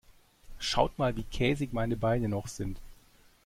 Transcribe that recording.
Schaut mal, wie käsig meine Beine noch sind.